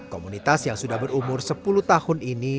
komunitas yang sudah berumur sepuluh tahun ini